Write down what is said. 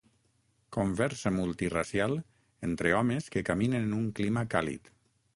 Conversa multiracial entre homes que caminen en un clima càlid.